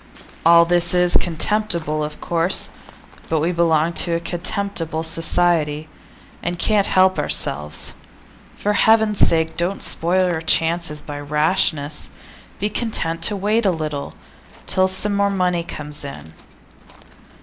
All this is contemptible, of course; but we belong to a contemptible society, and can't help ourselves. For Heaven's sake, don't spoil your chances by rashness; be content to wait a little, till some more money comes in.